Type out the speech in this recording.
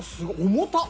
重たっ！